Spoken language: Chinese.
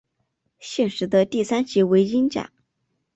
现时的第三级为英甲。